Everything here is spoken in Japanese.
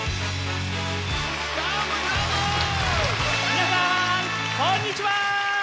みなさんこんにちは！